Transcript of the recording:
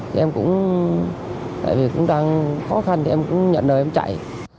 thì em cũng tại vì cũng đang khó khăn thì em cũng nhận đời em chạy